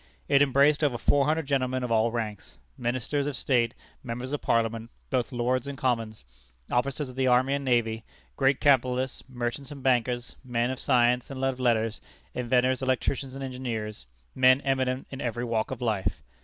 It embraced over four hundred gentlemen of all ranks: ministers of state, members of parliament, both Lords and Commons; officers of the army and navy; great capitalists merchants and bankers; men of science and of letters; inventors, electricians, and engineers men eminent in every walk of life.